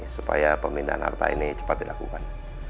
supaya pemindahan harta ini cepat dilakukan